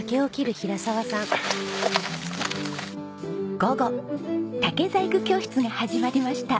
午後竹細工教室が始まりました。